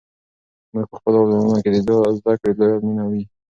موږ په خپلو ځوانانو کې د زده کړې لویه مینه وینو.